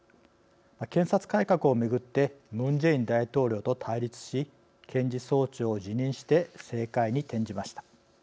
検察改革をめぐってムン・ジェイン大統領と対立し検事総長を辞任して政界に転じました。